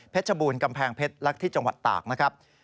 บูรณกำแพงเพชรและที่จังหวัดตากนะครับ